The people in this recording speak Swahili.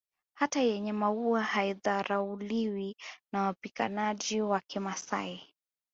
Hata yenye maua haidharauliwi na wapiganaji wa kimasai